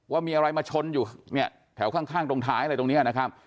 ว่ามีอะไรมาชนอยู่เนี่ยแถวข้างตรงท้ายอะไรตรงนี้นะครับ